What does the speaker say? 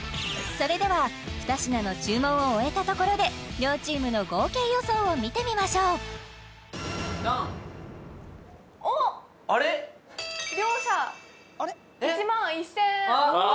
それでは２品の注文を終えたところで両チームの合計予想を見てみましょうドンあれっ？両者１万１０００円ああ